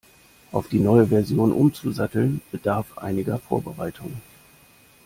Auf die neue Version umzusatteln, bedarf einiger Vorbereitung.